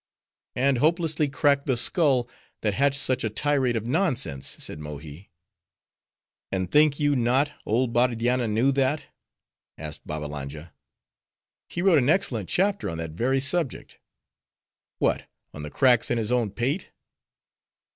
"And hopelessly cracked the skull, that hatched such a tirade of nonsense," said Mohi. "And think you not, old Bardianna knew that?" asked Babbalanja. "He wrote an excellent chapter on that very subject." "What, on the cracks in his own pate?"